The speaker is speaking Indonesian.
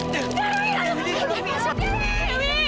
kamu diri apa